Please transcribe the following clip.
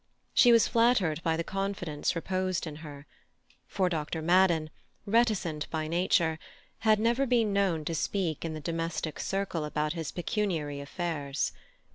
She was flattered by the confidence reposed in her, for Dr. Madden, reticent by nature, had never been known to speak in the domestic circle about his pecuniary affairs.